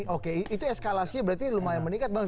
oke itu eskalasinya berarti lumayan meningkat bang